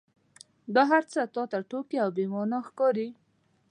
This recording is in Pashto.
دا هرڅه تا ته ټوکې او بې معنا ښکاري.